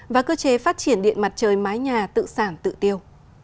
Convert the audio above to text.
và cơ chế phát triển điện mặt trời mái nhà tự sản tự tiêu